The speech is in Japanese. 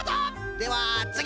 ではつぎ！